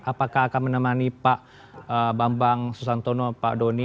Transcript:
apakah akan menemani pak bambang susantono pak doni